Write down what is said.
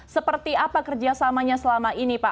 seperti apa kerjasamanya selama ini pak